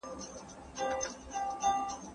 هغه وویل چې مسواک د حافظې د تېزولو نسخه ده.